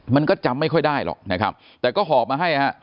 มันก็จำไม่ค่อยได้หรอกนะครับแต่ก็หอบมาให้ฮะ